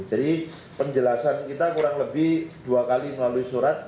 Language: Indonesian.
jadi penjelasan kita kurang lebih dua kali melalui surat